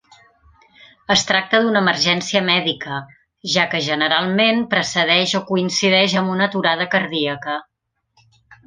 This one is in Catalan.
Es tracta d'una emergència mèdica, ja que generalment precedeix o coincideix amb una aturada cardíaca.